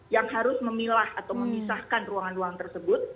yang harus memilah atau memisahkan ruangan ruangan tersebut